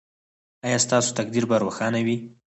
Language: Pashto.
ایا ستاسو تقدیر به روښانه وي؟